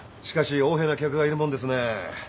しかし横柄な客がいるもんですね。